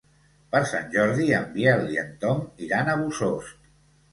Per Sant Jordi en Biel i en Tom iran a Bossòst.